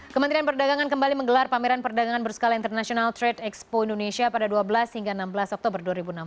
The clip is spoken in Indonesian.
kementerian perdagangan kembali menggelar pameran perdagangan berskala internasional trade expo indonesia pada dua belas hingga enam belas oktober dua ribu enam belas